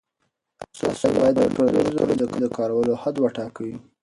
تاسو باید د ټولنیزو رسنیو د کارولو حد وټاکئ.